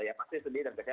ya pasti sedih dan kecewa